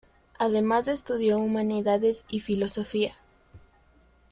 Además estudió Humanidades y Filosofía.